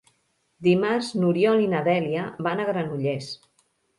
Dimarts n'Oriol i na Dèlia van a Granollers.